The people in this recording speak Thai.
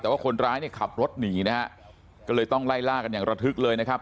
แต่ว่าคนร้ายเนี่ยขับรถหนีนะฮะก็เลยต้องไล่ล่ากันอย่างระทึกเลยนะครับ